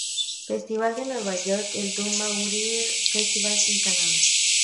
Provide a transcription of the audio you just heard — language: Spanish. Festival de Nueva York, el Du Maurier Festival en Canadá.